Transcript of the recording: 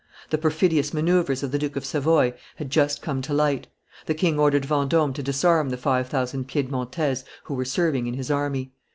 The perfidious manoeuvres of the Duke of Savoy had just come to light. The king ordered Vendome to disarm the five thousand Piedmontese who were serving in his army.